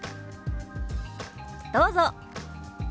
どうぞ。